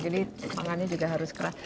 jadi tangannya juga harus keras